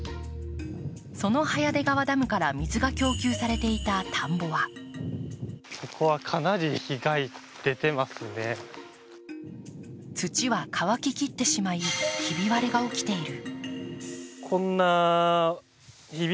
その早出川ダムから水が供給されていた田んぼは土は乾ききってしまいひび割れが起きている。